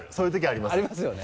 ありますよね。